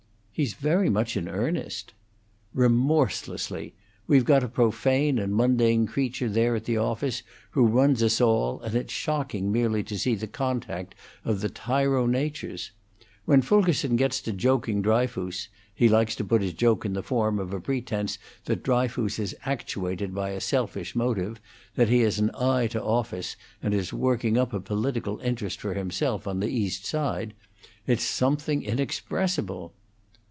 "He's very much in earnest." "Remorselessly. We've got a profane and mundane creature there at the office who runs us all, and it's shocking merely to see the contact of the tyro natures. When Fulkerson gets to joking Dryfoos he likes to put his joke in the form of a pretence that Dryfoos is actuated by a selfish motive, that he has an eye to office, and is working up a political interest for himself on the East Side it's something inexpressible."